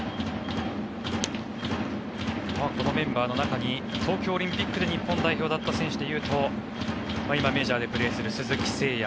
このメンバーの中に東京オリンピックで日本代表だった選手でいうと今メジャーでプレーする鈴木誠也